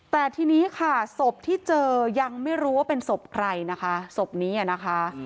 แต่ทีนี้ค่ะศพที่เจอยังไม่รู้ว่าเป็นศพใครนะคะศพนี้นะคะ